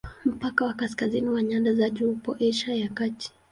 Mpaka wa kaskazini wa nyanda za juu upo Asia ya Kati.